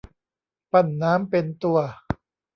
ปั้นน้ำเป็นตัว